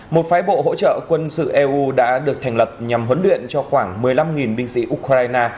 một phái bộ hỗ trợ quân sự eu đã được thành lập nhằm huấn luyện cho khoảng một mươi năm binh sĩ ukraine